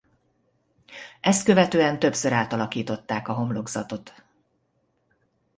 Ezt követően többször átalakították a homlokzatot.